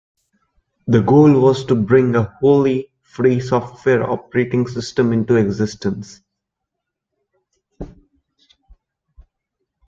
The goal was to bring a wholly free software operating system into existence.